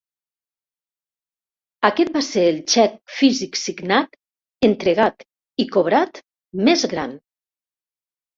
Aquest va ser el xec físic signat, entregat i cobrat més gran.